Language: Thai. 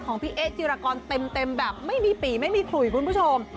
พี่เอ๊จิรากรเต็มแบบไม่มีปีไม่มีขุยคุณผู้ชม